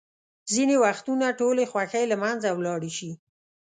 ځینې وختونه ټولې خوښۍ له منځه ولاړې شي.